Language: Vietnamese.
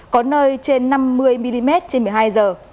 có nơi trên năm mươi mm trên một mươi hai giờ